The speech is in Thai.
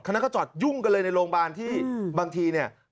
นั้นก็จอดยุ่งกันเลยในโรงพยาบาลที่บางทีเนี่ย